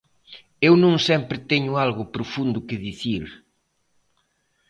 E non sempre teño algo profundo que dicir.